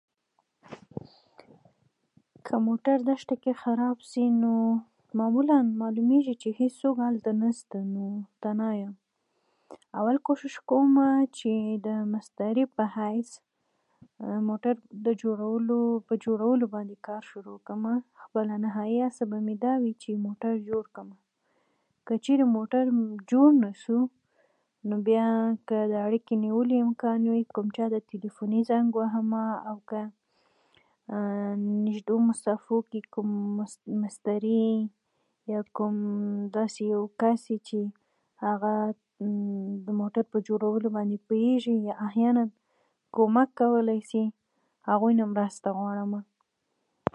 موږ ورغلي و تاسې هم ورشئ